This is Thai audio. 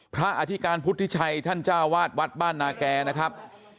อธิการพุทธิชัยท่านเจ้าวาดวัดบ้านนาแก่นะครับ